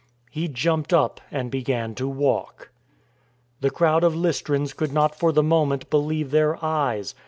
He jumped up and began to walk. The crowd of Lystrans could not for the moment believe their eyes.